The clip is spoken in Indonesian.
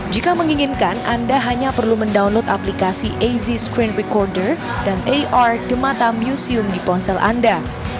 jika menginginkan anda hanya perlu mendownload aplikasi az screen recorder dan ar de mata museum di ponsel anda